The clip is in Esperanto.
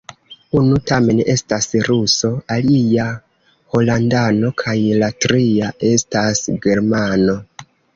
Unu tamen estas ruso, alia holandano kaj la tria estas germano.